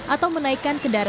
atau menaikkan ke jalan raya